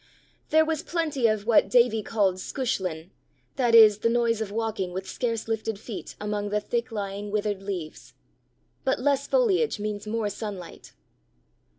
There was plenty of what Davie called scushlin, that is the noise of walking with scarce lifted feet amongst the thick lying withered leaves. But less foliage means more sunlight.